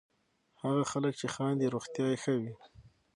هغه خلک چې خاندي، روغتیا یې ښه وي.